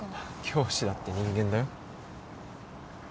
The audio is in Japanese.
教師だって人間だよ。